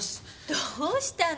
どうしたの？